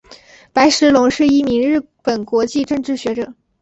白石隆是一名日本国际政治学者。